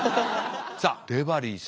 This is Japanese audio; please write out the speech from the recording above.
さあデバリーさんが。